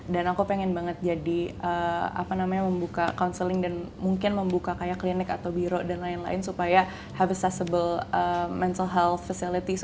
dan aku pengen banget jadi apa namanya membuka counseling dan mungkin membuka kayak klinik atau biro dan lain lain supaya have accessible mental health facilities